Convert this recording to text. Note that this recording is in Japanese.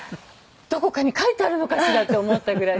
どこかに書いてあるのかしらって思ったぐらいでした。